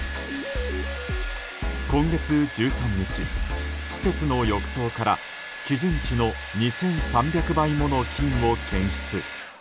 今月１３日、施設の浴槽から基準値の２３００倍もの菌を検出。